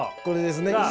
これですね。